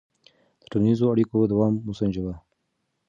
د ټولنیزو اړیکو دوام وسنجوه.